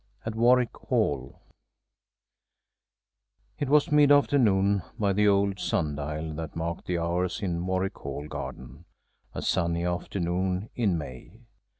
AT WARWICK HALL It was mid afternoon by the old sun dial that marked the hours in Warwick Hall garden; a sunny afternoon in May.